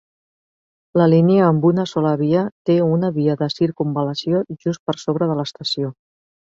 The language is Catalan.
La línia amb una sola via té una via de circumval·lació just per sobre de l'estació.